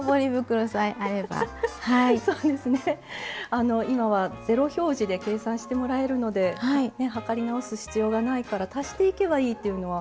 あの今はゼロ表示で計算してもらえるので量り直す必要がないから足していけばいいというのは。